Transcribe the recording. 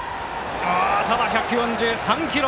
ただ、１４３キロ。